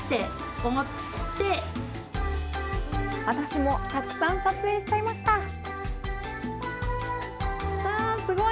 私もたくさん撮影しちゃいました。